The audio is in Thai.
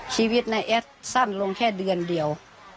ชีวิตนายแอดสั้นลงแค่เดือนเดียว